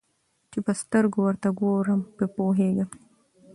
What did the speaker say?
چي په سترګو ورته ګورم په پوهېږم